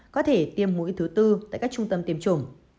có thể tiêm mũi thứ tư tại các trung tâm tiêm chủng